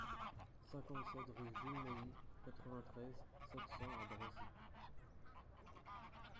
cinquante-sept rue Jules Mailly, quatre-vingt-treize, sept cents à Drancy